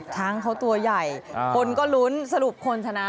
ช้างเขาตัวใหญ่คนก็ลุ้นสรุปคนชนะ